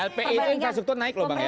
lpi invasuktu naik loh bang ya